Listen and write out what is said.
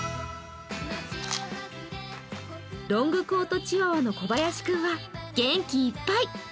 ロングコートチワワの小林君は元気いっぱい。